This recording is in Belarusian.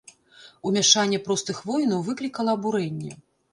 Умяшанне простых воінаў выклікала абурэнне.